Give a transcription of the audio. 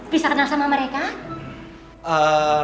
bisa kenal sama mereka